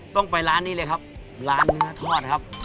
ต้องไปร้านนี้เลยครับร้านเนื้อทอดครับ